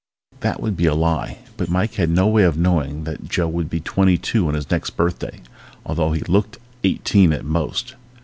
_ That would be a lie but Mike had no way of knowing that Joe would be twenty two on his next birthday, although he looked eighteen at most.